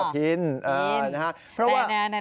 พินแต่แนว